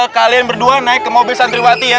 kalian berdua naik ke mobil santriwati ya